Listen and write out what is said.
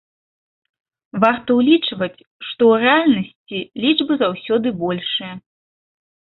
Варта ўлічваць, што ў рэальнасці лічбы заўсёды большыя.